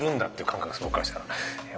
僕からしたら。